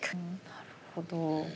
なるほど。